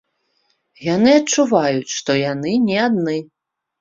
Яны адчуваюць, што яны не адны.